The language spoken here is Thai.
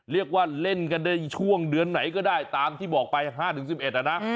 เรียกว่าเล่นกันในช่วงเดือนไหนก็ได้ตามที่บอกไป๕๑๑นะ